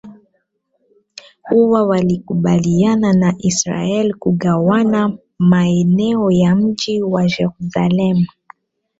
uwa walikubaliana na israel kugawana maeneo ya mji wa jerusalem